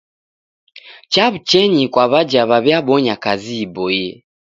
Chaw'uchenyi kwa w'aja w'aw'iabonya kazi iboie.